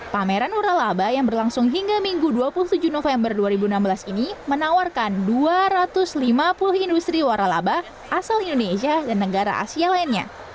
pameran waralaba yang berlangsung hingga minggu dua puluh tujuh november dua ribu enam belas ini menawarkan dua ratus lima puluh industri waralaba asal indonesia dan negara asia lainnya